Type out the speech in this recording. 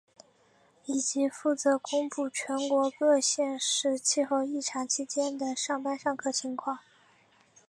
以及负责公布全国各县市气候异常期间的上班上课情况。